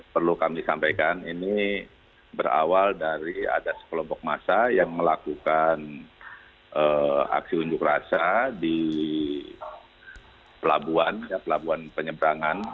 perlu kami sampaikan ini berawal dari ada sekelompok masa yang melakukan aksi unjuk rasa di pelabuhan penyeberangan